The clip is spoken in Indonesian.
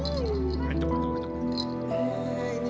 hai ini sudah ada